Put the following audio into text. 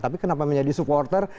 tapi kenapa menjadi supporter